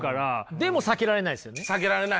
でも避けられないですよね。